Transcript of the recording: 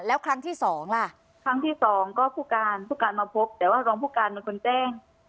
แล้วครั้งที่สองล่ะครั้งที่สองก็ผู้การผู้การมาพบแต่ว่ารองผู้การเป็นคนแจ้ง